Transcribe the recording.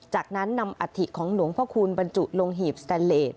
จากนั้นนำอัฐิของหลวงพระคูณบรรจุลงหีบสแตนเลส